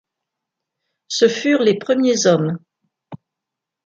Ce furent les premiers hommes.